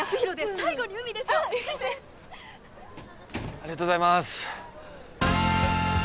ありがとうございます。